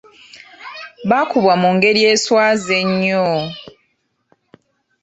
Bakubwa mu ngeri eswaza ennyo!